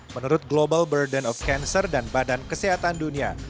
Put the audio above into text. menurut global burden of cancer dan badan kesehatan dunia